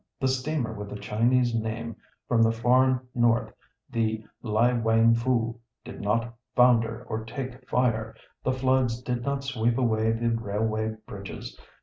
The steamer with the Chinese name, from the far north, the Ly wang foo, did not founder or take fire. The floods did not sweep away the railway bridges.